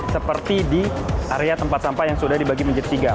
seperti di area tempat sampah yang sudah dibagi menjadi tiga